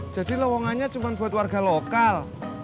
jadi lowongannya cuma buat warga lokal